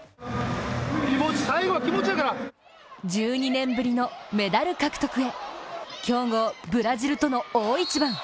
１２年ぶりのメダル獲得へ強豪ブラジルとの大一番。